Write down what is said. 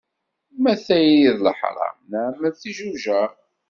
Ma tayri d leḥram nɛemmed tijujar.